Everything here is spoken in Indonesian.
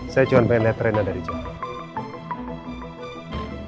saya cuma pengen lihat rena dari jalan